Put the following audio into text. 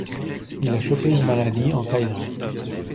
Il a chopé une maladie en Thaïlande.